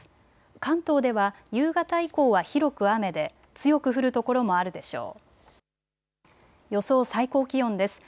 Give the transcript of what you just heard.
関東では夕方以降は広く雨で強く降る所もあるでしょう。